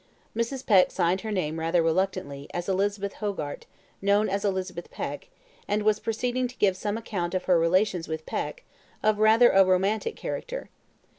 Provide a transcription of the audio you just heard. Mrs. Peck signed her name rather reluctantly as Elizabeth Hogarth, known as Elizabeth Peck, and was proceeding to give some account of her relations with Peck, of rather a romantic character.